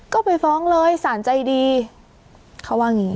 ก็ไปฟ้องเลยสารใจดีเขาว่าอย่างนี้